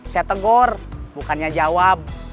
saya tegor bukannya jawab